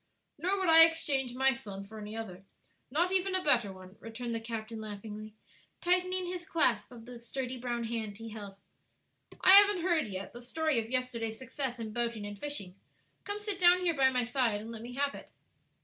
"Nor would I exchange my son for any other; not even a better one," returned the captain laughingly, tightening his clasp of the sturdy brown hand he held. "I haven't heard yet the story of yesterday's success in boating and fishing; come sit down here by my side and let me have it."